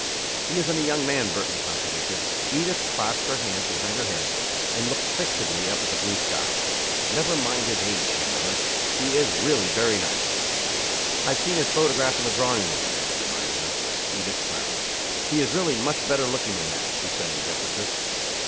"He isn't a young man," Burton contradicted. Edith clasped her hands behind her head and looked fixedly up at the blue sky. "Never mind his age," she murmured. "He is really very nice." "I've seen his photograph in the drawing room," Burton reminded her. Edith frowned. "He is really much better looking than that," she said with emphasis.